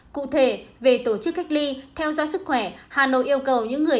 cụ thể về tổ chức cách ly theo dõi sức khỏe hà nội yêu cầu những người